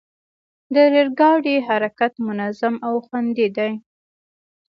د ریل ګاډي حرکت منظم او خوندي دی.